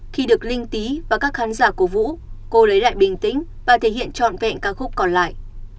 khi được linh tý và các khán giả cổ vũ cô lấy lại bình tĩnh và thể hiện trọn vẹn ca khúc còn lại